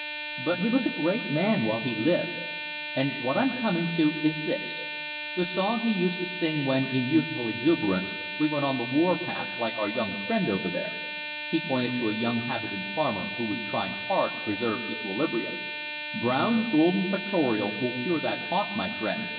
But he was a great man while he lived. And what I'm coming to is this, the song he used to sing when, in youthful exuberance, we went on the war path like our young friend over there" he pointed to a young habitant farmer, who was trying hard to preserve equilibrium "Brown's Golden Pectoral will cure that cough, my friend!"